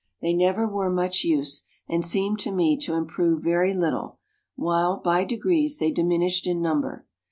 They never were much use, and seemed to me to im prove very little, while by degrees they diminished in number.